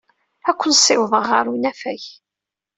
Ad ken-ssiwḍeɣ ɣer unafag.